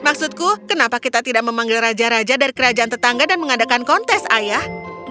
maksudku kenapa kita tidak memanggil raja raja dari kerajaan tetangga dan mengadakan kontes ayah